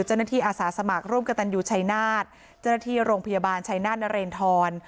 เจ้าหน้าที่อาสาสมัครร่วมกับตัญญูชัยนาธิ์เจ้าหน้าที่โรงพยาบาลชัยนาธิ์นเรนทร